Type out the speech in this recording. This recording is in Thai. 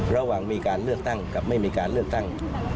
ระหว่างมีการเลือกตั้งกับไม่มีการเลือกตั้ง